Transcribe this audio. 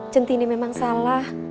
centini memang salah